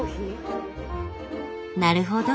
なるほど。